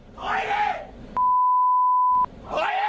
ถอยแล้วมันถอยนิด